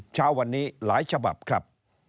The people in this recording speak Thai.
เช้าวันนี้หลายฉบับครับ